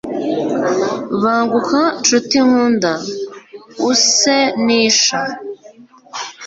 banguka, ncuti nkunda, use n'isha